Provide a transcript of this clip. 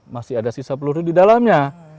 masih ada sisa peluru di dalamnya